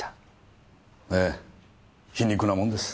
ええ皮肉なもんです。